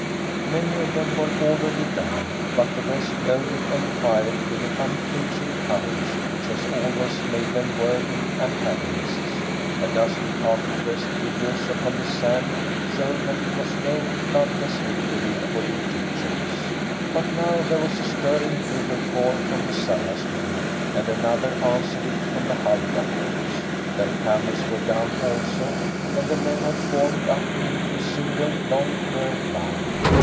Many of them were already down, but the rest loaded and fired with the unflinching courage which has always made them worthy antagonists. A dozen khaki dressed figures upon the sand showed that it was no bloodless victory for the Egyptians. But now there was a stirring bugle call from the Sarras men, and another answered it from the Halfa Corps. Their camels were down also, and the men had formed up into a single, long, curved line.